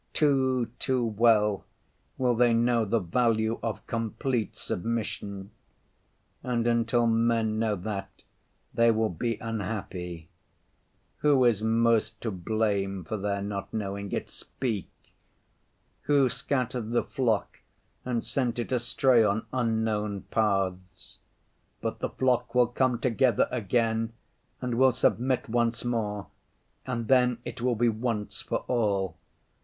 Too, too well will they know the value of complete submission! And until men know that, they will be unhappy. Who is most to blame for their not knowing it?—speak! Who scattered the flock and sent it astray on unknown paths? But the flock will come together again and will submit once more, and then it will be once for all.